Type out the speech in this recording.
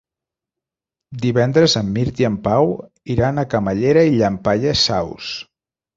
Divendres en Mirt i en Pau iran a Camallera i Llampaies Saus.